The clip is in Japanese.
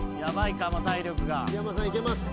木山さんいけます。